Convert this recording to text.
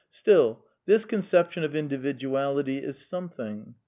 Still, this conception of individuality is something.